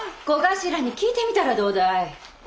小頭に聞いてみたらどうだい？